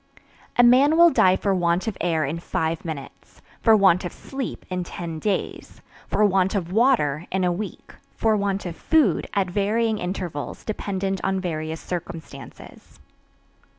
A man will die for want of air in five minutes; for want of sleep, in ten days; for want of water, in a week; for want of food, at varying intervals, dependent on various circumstances.